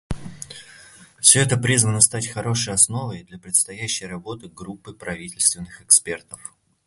Все это призвано стать хорошей основой для предстоящей работы группы правительственных экспертов.